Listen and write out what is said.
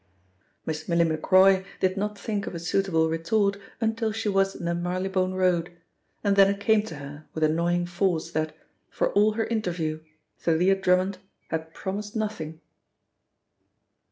Miss Milly Macroy did not think of a suitable retort until she was in the Marylebone Road, and then it came to her with annoying force that, for all her interview, Thalia Drummond had promised nothing.